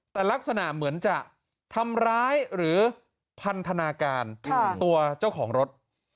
แต่ลักษณะเหมือนจะทำร้ายหรือพันธนาการตัวเจ้าของรถ